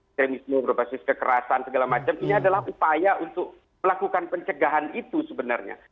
stremisme berbasis kekerasan segala macam ini adalah upaya untuk melakukan pencegahan itu sebenarnya